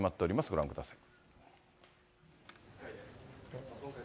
ご覧ください。